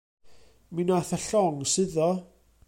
Mi nath y llong suddo.